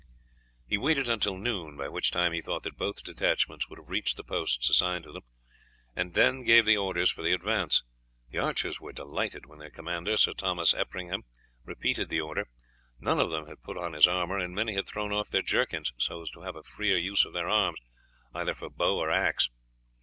He waited until noon, by which time he thought that both detachments would have reached the posts assigned to them, and then gave the orders for the advance. The archers were delighted when their commander, Sir Thomas Erpingham, repeated the order. None of them had put on his armour, and many had thrown off their jerkins so as to have a freer use of their arms either for bow or axe.